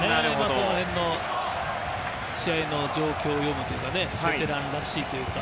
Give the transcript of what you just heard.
その辺の試合の状況を読むというかベテランらしいというか。